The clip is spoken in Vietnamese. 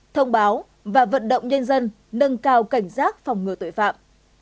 thông báo và vận động nhân dân nâng cao cảnh giác phòng ngừa tội phạm